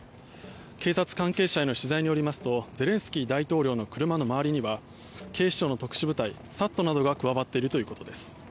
警察関係者への取材によりますとゼレンスキー大統領の車の周りには警視庁の特殊部隊ＳＡＴなどが加わっているということです。